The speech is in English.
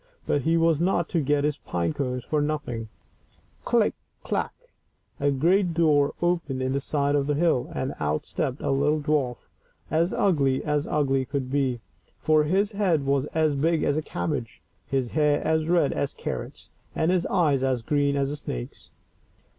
But he was not to get his pine cones for nothing : click ! clack !— a great door opened in the side of the hill, and out stepped a little dwarf, as ugly as ugly could be, for his head was as big as a cabbage, his hair as red as carrots, and his eyes as green as a snake's.